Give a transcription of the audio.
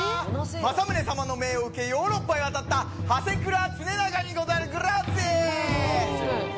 政宗様の命を受けヨーロッパへ渡った支倉常長にござるグラッツィエ！